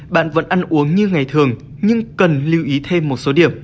bạn vẫn ăn uống như ngày thường nhưng cần lưu ý thêm một số điểm